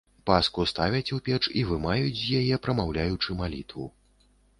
Паску ставяць у печ і вымаюць з яе, прамаўляючы малітву.